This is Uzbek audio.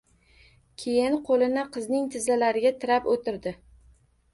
Keyin qoʻlini qizning tizzalariga tirab oʻtirdi